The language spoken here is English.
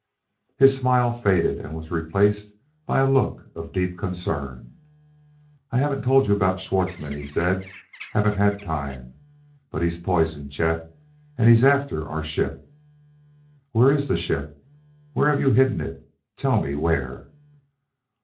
His smile faded and was replaced by a look of deep concern. "I haven't told you about Schwartzmann," he said; "haven't had time. But he's poison, Chet. And he's after our ship." "Where is the ship; where have you hidden it? Tell me where?"